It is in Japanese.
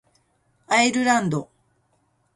アイルランド